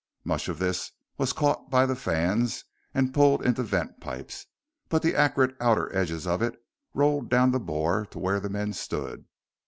Much of this was caught by the fans and pulled into vent pipes; but the acrid outer edges of it rolled down the bore to where the men stood.